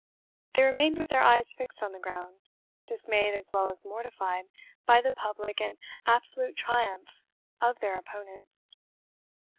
They remained with their eyes fixed on the ground, dismayed as well as mortified by the public and absolute triumph of their opponents.